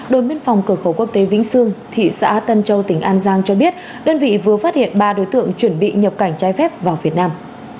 đội biên phòng cửa khẩu quốc tế vĩnh sương thị xã tân châu tỉnh an giang cho biết đơn vị vừa phát hiện ba đối tượng chuẩn bị nhập cảnh trái phép vào việt nam